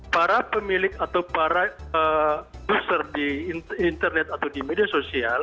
para pemilik atau para user di internet atau di media sosial